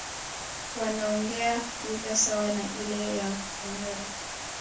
Wanaongea lugha sawa na ile ya Wanyoro